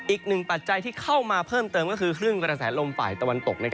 ปัจจัยที่เข้ามาเพิ่มเติมก็คือคลื่นกระแสลมฝ่ายตะวันตก